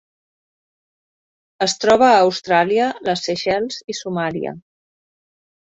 Es troba a Austràlia, les Seychelles i Somàlia.